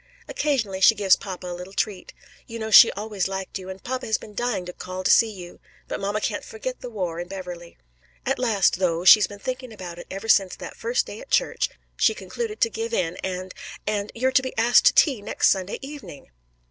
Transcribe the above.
"Occasionally she gives papa a little treat. You know she always liked you, and papa has been dying to call to see you. But mamma can't forget the war and Beverley. At last, though she's been thinking about it ever since that first day at church she concluded to give in and and you're to be asked to tea next Sunday evening!"